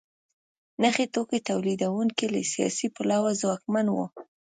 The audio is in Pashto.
نخي توکو تولیدوونکي له سیاسي پلوه ځواکمن وو.